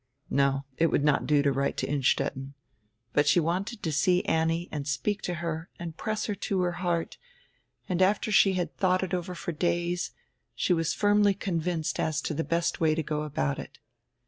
No, it would not do to write to Innstetten; but she wanted to see Annie and speak to her and press her to her heart, and after she had thought it over for days she was firmly convinced as to the best way to go about it.